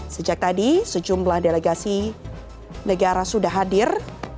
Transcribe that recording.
sejak tadi sejumlah delegasi negara sudah hadir